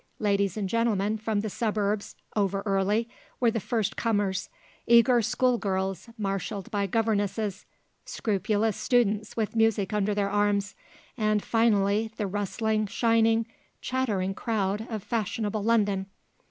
Ladies and gentlemen from the suburbs, over early, were the first comers; eager schoolgirls marshalled by governesses; scrupulous students with music under their arms, and, finally, the rustling, shining, chattering crowd of fashionable London.